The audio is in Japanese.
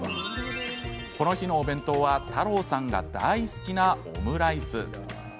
この日のお弁当は太朗さんが大好きなオムライス。